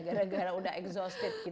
gara gara udah exhausted gitu ya